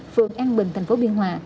phường an bình tp biên hòa